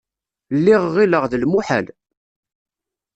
Lliɣ ɣilleɣ d lmuḥal.